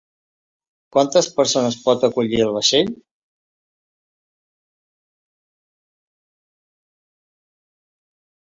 Quantes persones pot acollir el vaixell?